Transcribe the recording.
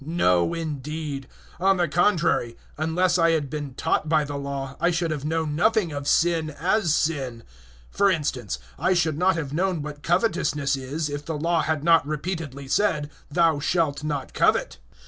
No, indeed; on the contrary, unless I had been taught by the Law, I should have known nothing of sin as sin. For instance, I should not have known what covetousness is, if the Law had not repeatedly said, "Thou shalt not covet."